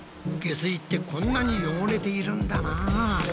下水ってこんなに汚れているんだなぁ。